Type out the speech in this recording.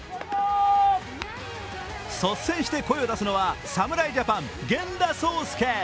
率先して声を出すのは侍ジャパン・源田壮亮。